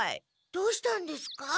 どうしたんですか？